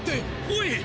おい！